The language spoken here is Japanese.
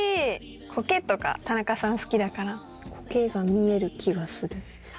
コケとか田中さん好きだからコケが見える気がする。